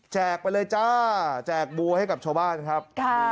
ไปเลยจ้าแจกบัวให้กับชาวบ้านครับ